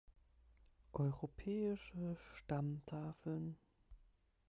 Europäische Stammtafeln.